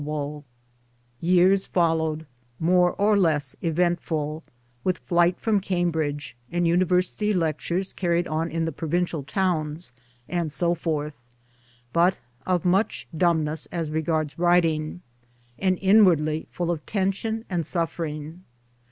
512 Towards Democracy Years followed, more or less eventful, with flight from Cambridge, and university lectures carried on in the Pro vincial Towns, and so forth ; but of much dumbness as regards writing; and inwardly full of tension, and suffering.